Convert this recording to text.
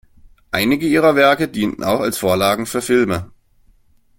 Einige ihrer Werke dienten auch als Vorlagen für Filme.